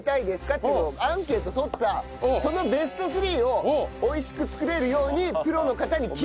っていうのをアンケート取ったそのベスト３を美味しく作れるようにプロの方に聞いたという。